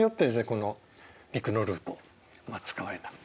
この陸のルートが使われた。